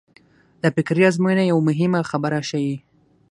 دا فکري ازموینه یوه مهمه خبره ښيي.